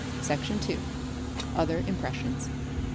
7 Section ii. Other impressions.